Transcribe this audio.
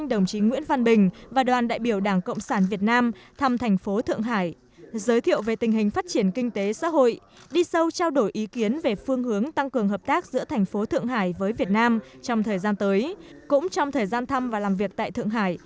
đồng chí nguyễn văn bình và đoàn đại biểu đảng cộng sản việt nam thăm thành phố thượng hải giới thiệu về tình hình phát triển kinh tế xã hội đi sâu trao đổi ý kiến về phương hướng tăng cường hợp tác giữa thành phố thượng hải với việt nam trong thời gian tới